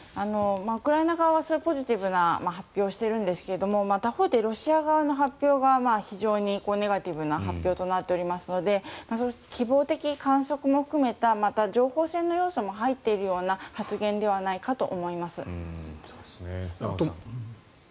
ウクライナ側はそういうポジティブな発表をしているんですが他方でロシア側の発表が非常にネガティブな発表となっておりますので希望的観測も含めた情報戦の要素も入っているような発言ではないかと思います。